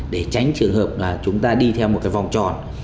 để tránh trường hợp là chúng ta đi theo một cái vòng tròn